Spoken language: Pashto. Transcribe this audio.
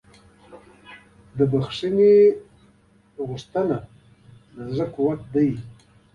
د بښنې غوښتنه د زړه قوت دی.